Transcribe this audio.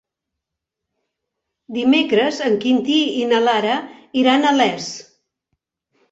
Dimecres en Quintí i na Lara iran a Les.